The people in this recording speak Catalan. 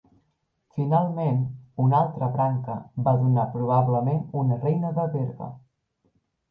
Finalment una altra branca va donar probablement una reina de Brega.